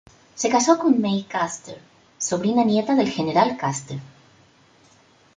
Se casó con May Custer, sobrina nieta del General Custer.